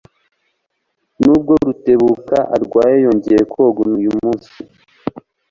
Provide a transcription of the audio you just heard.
Nubwo Rutebuka arwaye, yongeye koga uyu munsi.